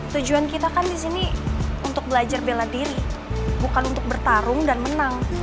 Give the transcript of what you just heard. tujuan kita kan di sini untuk belajar bela diri bukan untuk bertarung dan menang